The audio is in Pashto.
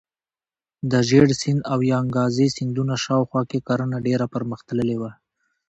د ژیړ سیند او یانګزي سیندونو شاوخوا کې کرنه ډیره پرمختللې وه.